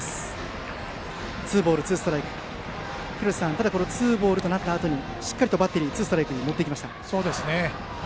ただ、ツーボールとなったあとにしっかりバッテリーツーストライクに持ってきました。